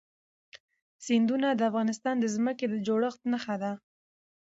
سیندونه د افغانستان د ځمکې د جوړښت نښه ده.